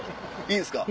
いいですか？